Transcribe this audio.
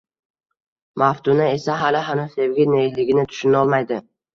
Maftuna esa hali-hanuz sevgi neligini tushunolmaydi